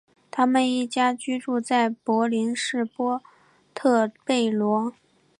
他们一家居住在都柏林市波特贝罗。